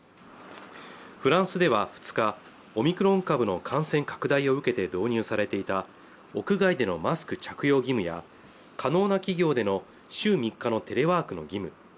フランスでは２日オミクロン株の感染拡大を受けて導入されていた屋外でのマスク着用義務や可能な企業での週３日のテレワークの義務